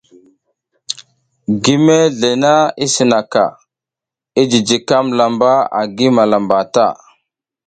Gi mezle na i sinaka, i jijikam lamba angi gi malambaʼa.